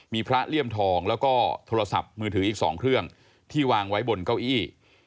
มีพระเลี่ยมทองแล้วก็โทรศัพท์มือถืออีก๒เครื่องที่วางไว้บนเก้าอี้